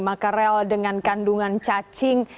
makarel dengan kandungan cacing